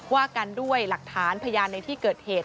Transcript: ว่ากันด้วยหลักฐานพยานในที่เกิดเหตุ